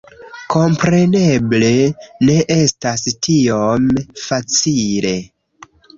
Kompreneble, ne estas tiom facile.